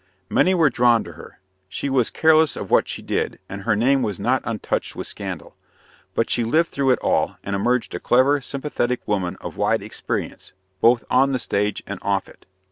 Many were drawn to her. She was careless of what she did, and her name was not untouched with scandal. But she lived through it all, and emerged a clever, sympathetic woman of wide experience, both on the stage and off it.